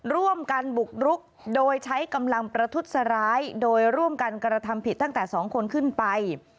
ร่วมกันบุกรุกโดยใช้กำลังประทุษร้ายโดยร่วมกันกระทำผิดตั้งแต่๒คนขึ้นไป